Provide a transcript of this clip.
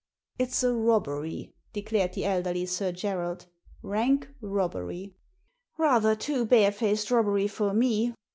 * It's a robbery," declared the elderly Sir Gerald ; rank robbery!" "Rather too barefaced robbery for me."